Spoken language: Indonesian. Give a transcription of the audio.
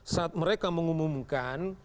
saat mereka mengumumkan